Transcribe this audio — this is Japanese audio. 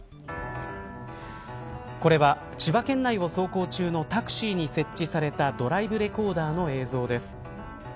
これは千葉県内を走行中のタクシーに設置されたドライブレコーダーの映像です。